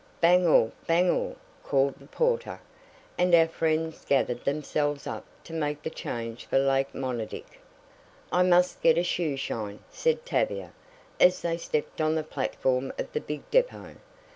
"Bangor! Bangor!" called the porter, and our friends gathered themselves up to make the change for Lake Monadic. "I must get a shoe shine," said Tavia, as they stepped on the platform of the big depot.